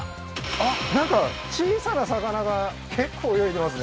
あっなんか小さな魚が結構泳いでますね